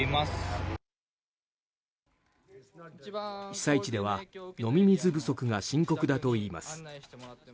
被災地では飲み水不足が深刻だといいます。